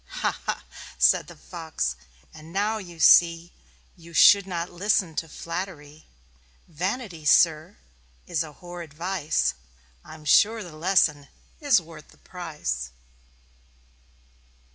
"Ha ha!" said the Fox. "And now you see You should not listen to flattery. Vanity, Sir is a horrid vice I'm sure the lesson is worth the price."